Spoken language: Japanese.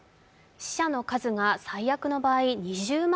死者の数が最悪の場合２０万